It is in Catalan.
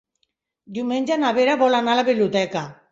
Diumenge na Vera vol anar a la biblioteca.